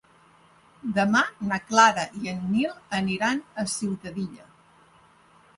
Demà na Clara i en Nil aniran a Ciutadilla.